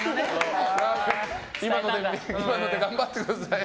今ので頑張ってください。